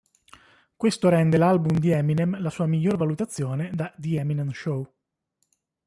Questo rende l'album di Eminem la sua miglior valutazione da "The Eminem Show".